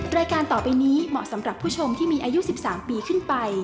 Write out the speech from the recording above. รายการต่อไปนี้เหมาะสำหรับผู้ชมที่มีอายุ๑๓ปีขึ้นไป